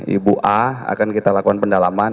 ibu a akan kita lakukan pendalaman